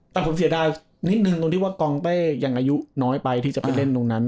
แต่ผมเสียดายนิดนึงตรงที่ว่ากองเต้ยังอายุน้อยไปที่จะไปเล่นตรงนั้น